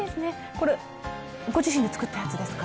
これ、ご自身でつくったやつですか？